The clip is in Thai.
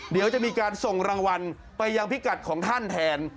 เดี๋ยวจะมีการส่งรางวัลไปยังพิกัดของท่านแทน